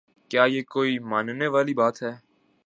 کیا یہ کوئی ماننے والی بات ہے؟